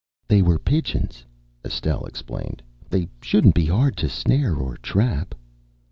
"They were pigeons," Estelle explained. "They shouldn't be hard to snare or trap."